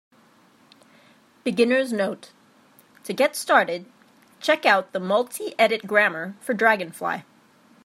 Beginner's note: to get started, check out the multiedit grammar for dragonfly.